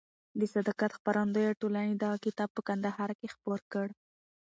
د صداقت خپرندویه ټولنې دغه کتاب په کندهار کې خپور کړ.